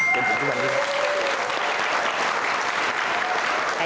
เป็นจุดทุกวันนี้ครับ